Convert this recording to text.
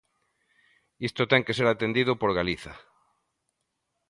Isto ten que ser atendido por Galiza.